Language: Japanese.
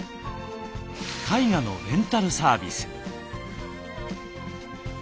絵画のレンタルサービス。